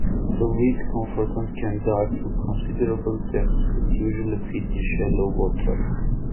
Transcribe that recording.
The reed cormorant can dive to considerable depths, but usually feeds in shallow water.